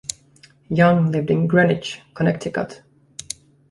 Young lived in Greenwich, Connecticut.